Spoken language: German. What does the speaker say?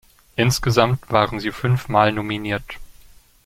Insgesamt waren sie fünf Mal nominiert.